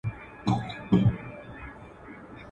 دايي گاني چي ډېري سي، د کوچني سر کوږ راځي.